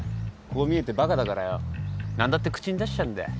こう見えてバカだからよ何だって口に出しちゃうんだよ。